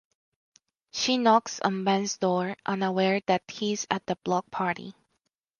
She knocks on Ben's door, unaware that he's at the block party.